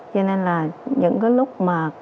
cho nên là những cái lúc mà